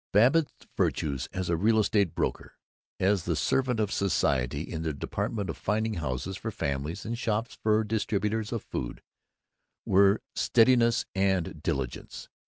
Babbitt's virtues as a real estate broker as the servant of society in the department of finding homes for families and shops for distributors of food were steadiness and diligence.